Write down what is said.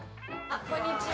こんにちは！